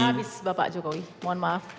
habis bapak jokowi mohon maaf